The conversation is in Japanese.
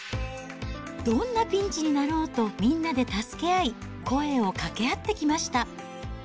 どんなピンチになろうと、みんなで助け合い、声をかけ合ってきました。